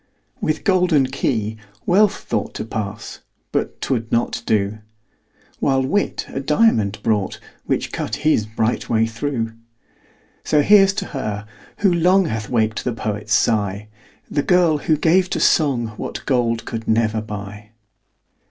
With golden key Wealth thought To pass but 'twould not do: While Wit a diamond brought, Which cut his bright way through. So here's to her, who long Hath waked the poet's sigh, The girl, who gave to song What gold could never buy.